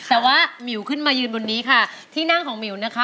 แต่ว่าหมิวขึ้นมายืนบนนี้ค่ะที่นั่งของหมิวนะคะ